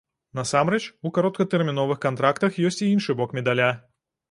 Насамрэч, у кароткатэрміновых кантрактах ёсць і іншы бок медаля.